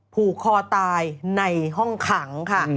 ผูกคอตายในห้องขังค่ะ